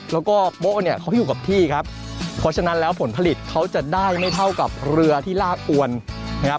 แล้วก็โป๊ะเนี่ยเขาอยู่กับที่ครับเพราะฉะนั้นแล้วผลผลิตเขาจะได้ไม่เท่ากับเรือที่ลากอวนนะครับ